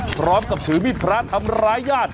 พร้อมกับถือมีดพระทำร้ายญาติ